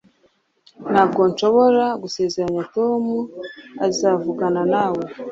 Ntabwo nshobora gusezeranya Tom azavugana nawe